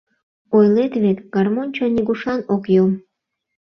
Ойлат вет: гармоньчо нигушан ок йом.